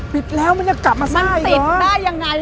ปิดแล้วมันจะกลับมาทร่ายเหรออ่ะมันติดได้อย่างไร